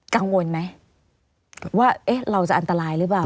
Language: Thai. กังวลไหมว่าเราจะอันตรายหรือเปล่า